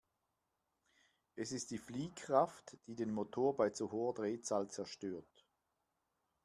Es ist die Fliehkraft, die den Motor bei zu hoher Drehzahl zerstört.